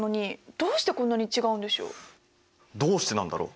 どうしてなんだろう？